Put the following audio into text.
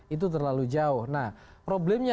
itu terlalu jauh nah problemnya